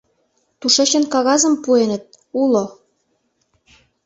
Тушечын кагазым пуэныт... уло...